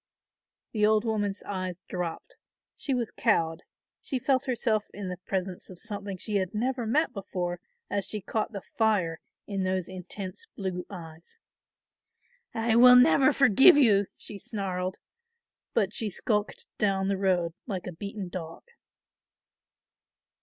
The old woman's eyes dropped; she was cowed; she felt herself in the presence of something she had never met before, as she caught the fire in those intense blue eyes. "I will never forgive you," she snarled, but she skulked down the road like a beaten dog.